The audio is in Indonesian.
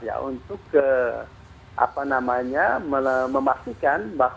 jumlah jam tiga atau empat ini akan mulai entering nrab